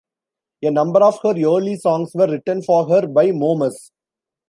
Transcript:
A number of her early songs were written for her by Momus.